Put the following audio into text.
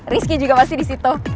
rizky juga masih di situ